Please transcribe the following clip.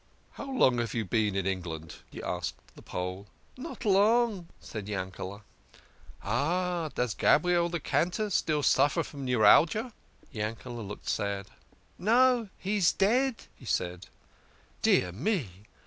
" How long have you been in England ?" he asked the Pole. " Not long," said Yankele. " Ha ! Does Gabriel the cantor still suffer from neuralgia ?" Yankele" looked sad. "No he is dead," he said. " Dear me